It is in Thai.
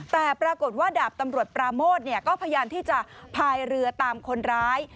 แต่ปรากฏว่าดาบตำรวจปราโมทก็พยายามที่จะพายเรือตามคนร้าย